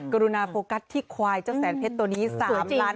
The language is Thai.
กรุณาโฟกัสที่ควายเจ้าแสนเพชรตัวนี้๓ล้าน